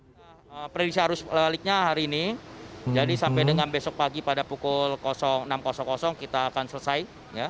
kita prediksi arus baliknya hari ini jadi sampai dengan besok pagi pada pukul enam kita akan selesai